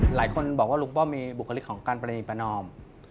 หลายคนบอกว่าลุงป้อมมีบุคลิกของการปรณีประนอม